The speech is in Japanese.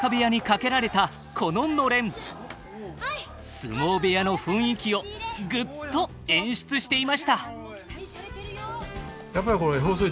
相撲部屋の雰囲気をぐっと演出していました。